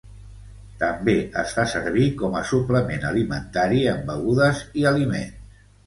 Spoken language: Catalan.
També es fa servir com a suplement alimentari en begudes i aliments.